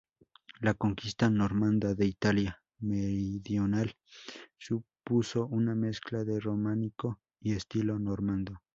La Conquista normanda de Italia Meridional supuso una mezcla de románico y estilo normando.